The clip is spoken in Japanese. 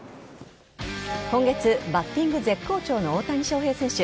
今月、バッティング絶好調の大谷翔平選手。